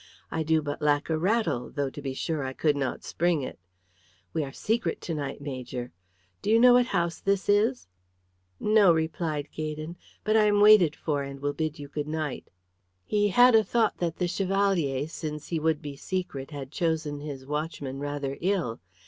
I do but lack a rattle, though, to be sure, I could not spring it. We are secret to night, major. Do you know what house this is?" "No," replied Gaydon. "But I am waited for and will bid you good night." He had a thought that the Chevalier, since he would be secret, had chosen his watchman rather ill.